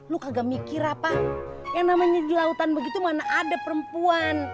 lu kagak mikir apa yang namanya di lautan begitu mana ada perempuan